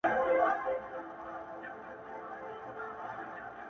o د مېړه سيالي کوه، د بخته ئې مه کوه!